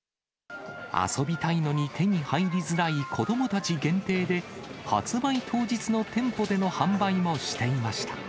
遊びたいのに手に入りづらい子どもたち限定で、発売当日の店舗での販売もしていました。